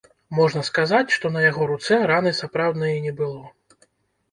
Можна сказаць, што на яго руцэ раны сапраўднай і не было.